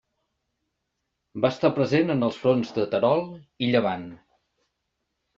Va estar present en els fronts de Terol i Llevant.